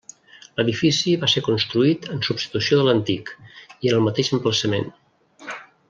L'edifici va ser construït en substitució de l'antic i en el mateix emplaçament.